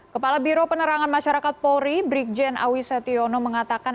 kepala biro penerangan masyarakat pori brigjen awisetyono mengatakan